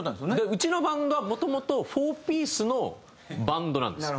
うちのバンドはもともと４ピースのバンドなんですよ。